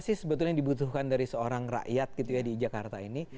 apa sih sebetulnya yang dibutuhkan dari seorang rakyat gitu ya di jakarta ini